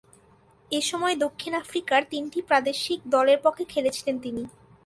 এ সময়ে দক্ষিণ আফ্রিকার তিনটি প্রাদেশিক দলের পক্ষে খেলেছিলেন তিনি।